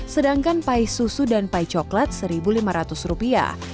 sedangkan pai susu dan pai coklat seribu lima ratus rupiah